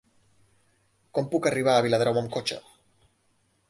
Com puc arribar a Viladrau amb cotxe?